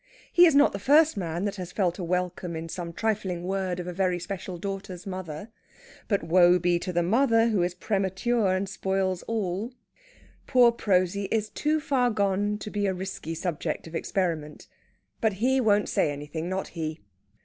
He is not the first man that has felt a welcome in some trifling word of a very special daughter's mother. But woe be to the mother who is premature and spoils all! Poor Prosy is too far gone to be a risky subject of experiment. But he won't say anything not he!